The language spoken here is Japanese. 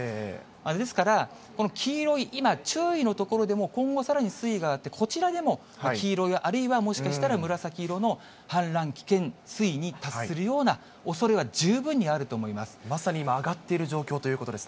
ですから、この黄色い、今、注意の所でも今後、さらに水位が上がって、こちらでも黄色や、あるいはもしかしたら紫色の氾濫危険水位に達するようなおそれはまさに今、上がっている状況